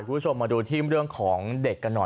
คุณผู้ชมมาดูที่เรื่องของเด็กกันหน่อย